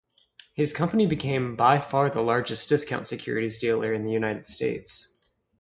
His company became by far the largest discount securities dealer in the United States.